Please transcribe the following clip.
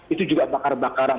itu juga bakar bakaran